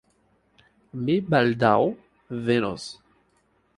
Mi baldaŭ venos.